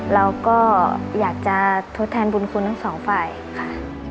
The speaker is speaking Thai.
เราก็อยากจะทดแทนบุญคุณทั้งสองฝ่ายค่ะ